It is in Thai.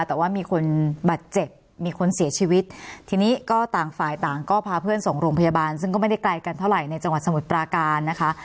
แต่ว่ามีคนบาดเจ็บมีคนเสียชีวิตทีนี้ก็ต่างฝ่ายต่างก็พาเพื่อนส่งโรงพยาบาลซึ่งก็ไม่ได้ไกลกันเท่าไหร่ในจังหวัดสมุทรปราการนะคะ